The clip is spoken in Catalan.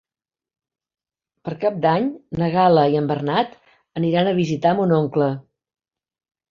Per Cap d'Any na Gal·la i en Bernat aniran a visitar mon oncle.